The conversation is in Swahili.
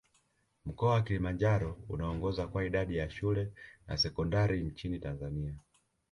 Mkoa wa Kilimanjaro unaongoza kwa idadi ya shule za sekondari nchini Tanzania